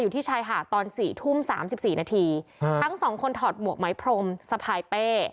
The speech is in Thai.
อยู่ที่ชายหาดตอน๔ทุ่ม๓๔นาทีทั้งสองคนถอดหมวกไม้พรมสภายเป้